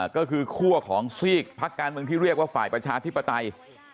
ก็คือคั่วของซีกพักการเมืองที่เรียกว่าฝ่ายประชาธิปไตย